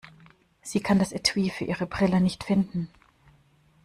Sie kann das Etui für ihre Brille nicht finden.